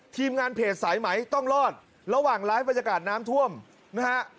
ทีมงานเพจสายไหมต้องรอดระหว่างไลฟ์บรรยากาศน้ำท่วมนะฮะ